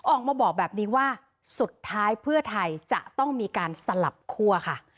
ออกมาบอกแบบนี้ว่าสุดท้ายเพื่อไทยจะต้องมีการสลับคั่วค่ะ